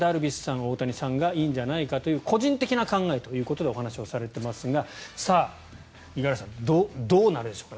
大谷さんがいいんじゃないかという個人的な考えということでお話しされていますが五十嵐さん、どうなりますかね？